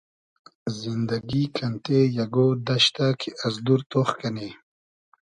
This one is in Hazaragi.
زیندئگی کئنتې اگۉ دئشتۂ کی از دور تۉخ کئنی